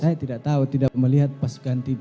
saya tidak tahu tidak melihat pas ganti